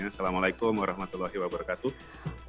assalamualaikum warahmatullahi wabarakatuh